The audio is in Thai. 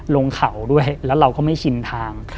ลงเขาด้วยแล้วเราก็ไม่ชินทาง